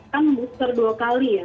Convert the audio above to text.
kan booster dua kali ya